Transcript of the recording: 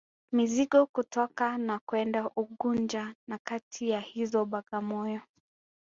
Mizigo kutoka na kwenda Unguja na kati ya hizo Bagamoyo